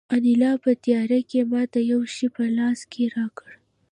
انیلا په تیاره کې ماته یو شی په لاس کې راکړ